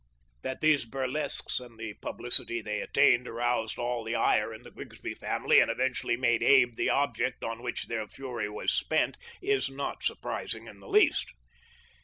That these burlesques and the publicity they attained aroused all the ire in the Grigsby family, and eventually made Abe the object on which their fury was spent is not surprising in the least.